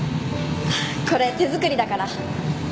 これ手作りだから。